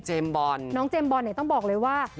เจมบอลน้องเจมบอลเนี่ยต้องบอกเลยว่าหล่อ